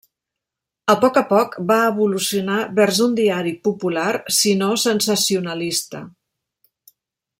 A poc a poc va evolucionar vers un diari popular si no sensacionalista.